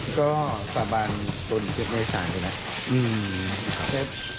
ก็สาบานคนในศาลด้วยนะครับ